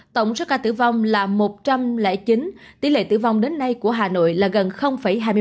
tổng số ca tử vong là một trăm linh chín tỷ lệ tử vong đến nay của hà nội là gần hai mươi bảy